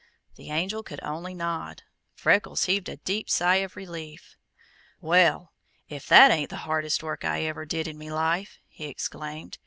The Angel could only nod. Freckles heaved a deep sigh of relief. "Well, if that ain't the hardest work I ever did in me life!" he exclaimed.